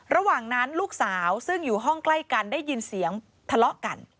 ระหว่างนั้นลูกสาวซึ่งอยู่ห้องใกล้กันได้ยินเสียงทะเลาะกัน